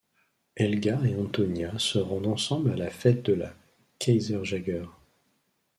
Helga et Antonia se rendent ensemble à la fête de la Kaiserjäger.